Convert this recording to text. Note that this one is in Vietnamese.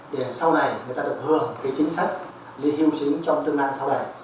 để sau này người ta được hưởng cái chính sách liên hưu chính trong tương lai sau này